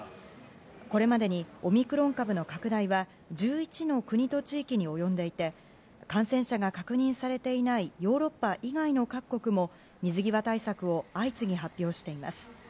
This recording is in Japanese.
これまでにオミクロン株の拡大は１１の国と地域に及んでいて感染者が確認されていないヨーロッパ以外の各国も水際対策を相次ぎ発表しています。